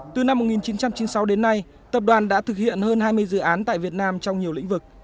từ năm một nghìn chín trăm chín mươi sáu đến nay tập đoàn đã thực hiện hơn hai mươi dự án tại việt nam trong nhiều lĩnh vực